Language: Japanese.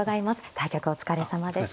対局お疲れさまでした。